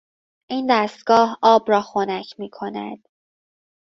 این دستگاه آب را خنک میکند.